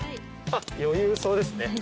余裕そうですね。